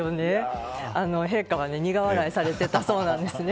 陛下は苦笑いされていたそうなんです。